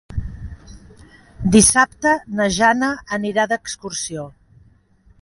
Dissabte na Jana anirà d'excursió.